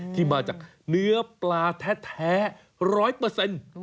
ที่มาจากเนื้อปลาแท้ร้อยเปอร์เซ็นต์